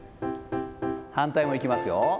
反対もいきますよ。